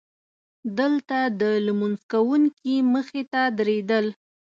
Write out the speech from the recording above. دلته د لمونځ کوونکي مخې ته تېرېدل.